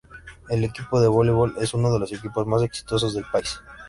El equipo de voleibol es uno de los equipos más exitosos del país.